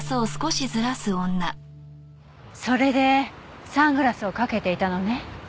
それでサングラスをかけていたのね。